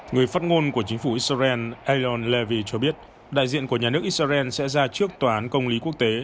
người phát ngôn của chính phủ israel alon lavy cho biết đại diện của nhà nước israel sẽ ra trước tòa án công lý quốc tế